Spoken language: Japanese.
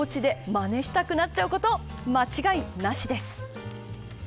おうちでまねしたくなっちゃうこと間違いなしです。